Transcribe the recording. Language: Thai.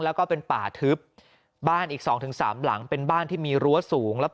แล้วก็เป็นป่าทึบบ้านอีกสองถึงสามหลังเป็นบ้านที่มีรั้วสูงแล้ว